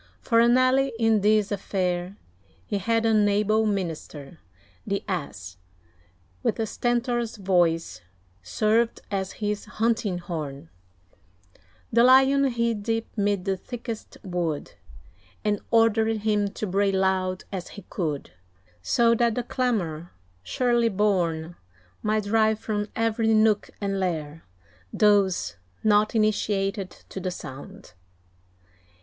For an ally in this affair, He had an able minister. The Ass, with Stentor's voice, served as his hunting horn; The Lion hid deep 'mid the thickest wood, And ordered him to bray loud as he could; So that the clamour shrilly borne, Might drive from every nook and lair Those not initiated to the sound.